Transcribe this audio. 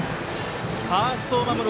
ファーストを守る